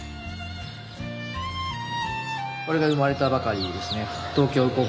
これがうまれたばかりですね